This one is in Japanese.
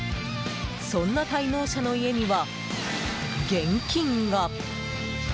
そんな滞納者の家には現金が。